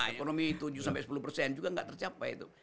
ekonomi tujuh sepuluh juga gak tercapai itu